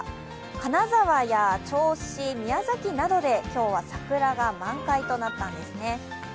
金沢や銚子、宮崎などで今日は桜が満開となったんですね。